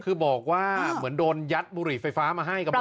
คือบอกว่าเหมือนโดนยัดบุหรี่ไฟฟ้ามาให้กำลัง